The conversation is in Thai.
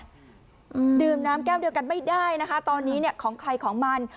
อืมดื่มน้ำแก้วเดียวกันไม่ได้นะคะตอนนี้เนี่ยของใครของมัน